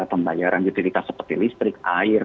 pembayaran utilitas seperti listrik air